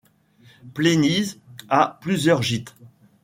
Plénise a plusieurs gîtes.